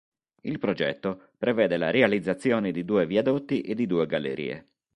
Il progetto prevede la realizzazione di due viadotti e di due gallerie.